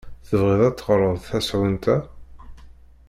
Tebɣiḍ ad teɣreḍ tasɣunt-a?